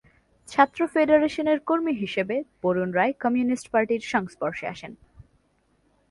ছাত্র ফেডারেশনের কর্মী হিসাবে বরুণ রায় কমিউনিস্ট পার্টির সংস্পর্শে আসেন।